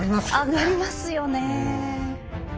上がりますよねえ。